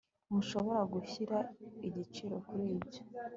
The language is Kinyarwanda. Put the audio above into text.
ntushobora gushyira igiciro kuri ibyo